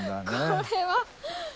これは。